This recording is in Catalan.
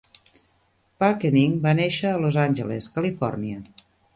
Parkening va néixer a Los Angeles, Califòrnia.